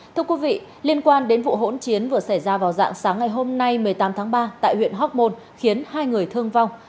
thưa quý vị liên quan đến vụ hỗn chiến vừa xảy ra vào dạng sáng ngày hôm nay một mươi tám tháng ba tại huyện hóc môn khiến hai người thương vong